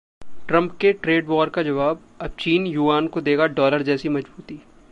Trump के trade war का जवाब, अब चीन युआन को देगा डॉलर जैसी मजबूती